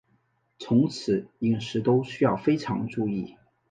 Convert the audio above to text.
从此饮食都需要非常注意